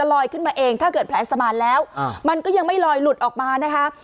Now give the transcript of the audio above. ลอยขึ้นมาเองถ้าเกิดแผลสมานแล้วมันก็ยังไม่ลอยหลุดออกมานะคะ